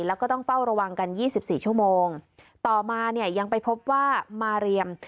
แล้วก็ต้องเฝ้าระวังกัน๒๔ชั่วโมงต่อมาเนี่ยยังไปพบว่ามาเรียม